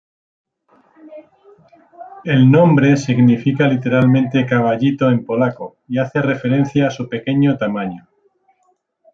El nombre significa literalmente "caballito" en polaco y hace referencia a su pequeño tamaño.